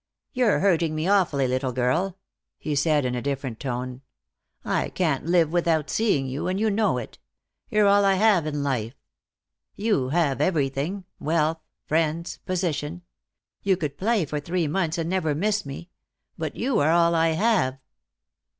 "You're hurting me awfully, little girl," he said, in a different tone. "I can't live without seeing you, and you know it. You're all I have in life. You have everything, wealth, friends, position. You could play for three months and never miss me. But you are all I have."